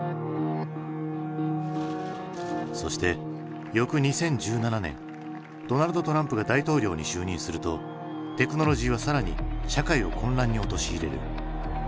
そして翌２０１７年ドナルド・トランプが大統領に就任するとテクノロジーは更に社会を混乱に陥れる。